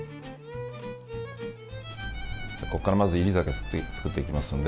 ここからまず煎り酒を作っていきますんで。